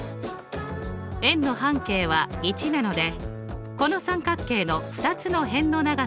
円の半径は１なのでこの三角形の２つの辺の長さは１。